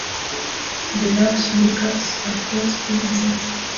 Des laves sous l’écorce affreuse des basaltes ;